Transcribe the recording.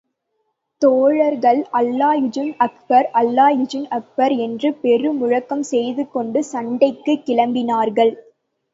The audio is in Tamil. தோழர்கள் அல்லாஹூ அக்பர், அல்லாஹூ அக்பர் என்று பெரு முழக்கம் செய்து கொண்டு சண்டைக்குக் கிளம்பினார்கள்.